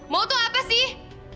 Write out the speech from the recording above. mau tuh apa sih